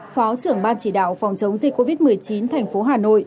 phó trưởng ban chỉ đạo phòng chống dịch covid một mươi chín thành phố hà nội